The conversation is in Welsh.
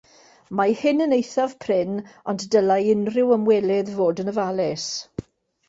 Mae hyn yn eithaf prin ond dylai unrhyw ymwelydd fod yn ofalus.